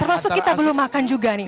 termasuk kita belum makan juga nih